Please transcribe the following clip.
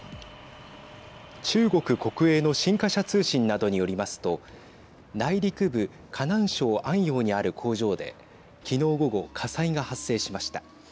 中国国営の新華社通信などによりますと内陸部河南省安陽にある工場で昨日午後、火災が発生しました。